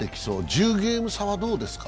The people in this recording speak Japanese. １０ゲーム差はどうですか？